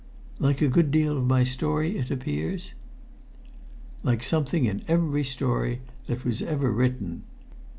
"Like a good deal of my story, it appears?" "Like something in every story that was ever written.